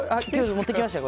持ってきました。